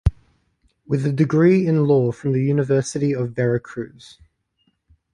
With a degree in Law from the University of Veracruz.